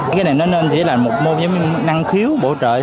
cái này nó nên chỉ là một môn giống như năng khiếu bộ trợ